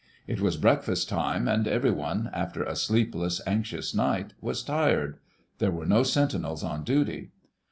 It was breakfast time and every one, after a sleepless, anxious nig^t, was tired. There were no sentinels on duty.